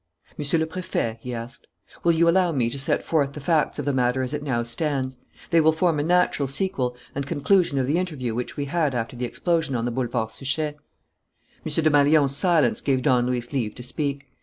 "Monsieur le Préfet," he asked, "will you allow me to set forth the facts of the matter as it now stands? They will form a natural sequel and conclusion of the interview which we had after the explosion on the Boulevard Suchet." M. Desmalions's silence gave Don Luis leave to speak.